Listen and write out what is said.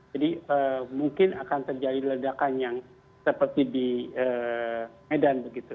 jadi mungkin akan terjadi ledakan yang